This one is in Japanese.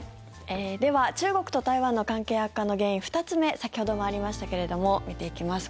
では、中国と台湾の関係悪化の原因２つ目先ほどもありましたけれども見ていきます。